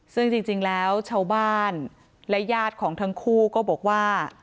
ซึ่งจริงแล้วชาวบ้านและญาติของทั้งคู่ก็บอกว่า